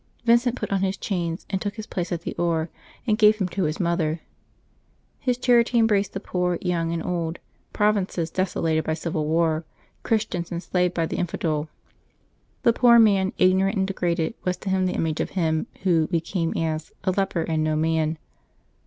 Vincent put on his chains and took his place at the oar, and gave him to his mother. His charity embraced the poor, young and old, provinces deso lated by civil war. Christians enslaved by the infidel. The poor man, ignorant and degraded, was to him the image of Him Who became as " a leper and no man."